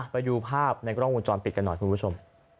ไปดูภาพในกล้องวงจรปิดกันหน่อยคุณผู้ชม